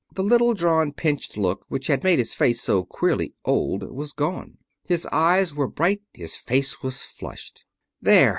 The little drawn pinched look which had made his face so queerly old was gone. His eyes were bright. His face was flushed. "There!